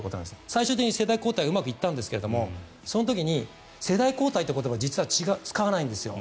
最終的に世代交代はうまくいったんですがその時に、世代交代という言葉は使わないんですよ。